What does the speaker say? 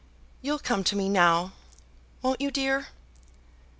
You'll come to me now; won't you, dear?"